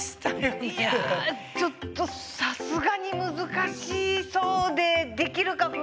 いやちょっとさすがに難しそうでできるか不安です。